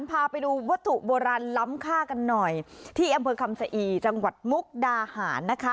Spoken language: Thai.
พาไปดูวัตถุโบราณล้ำค่ากันหน่อยที่อำเภอคำสะอีจังหวัดมุกดาหารนะคะ